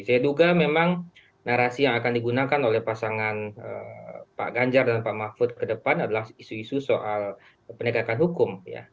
saya duga memang narasi yang akan digunakan oleh pasangan pak ganjar dan pak mahfud ke depan adalah isu isu soal penegakan hukum